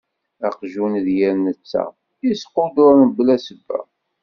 Aqjun d yir netta, isquduṛ mebla ssebba.